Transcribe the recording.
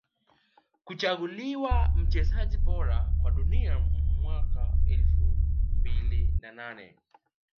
Kuchaguliwa mchezaji bora wa Dunia mwaka elfu mbili na nane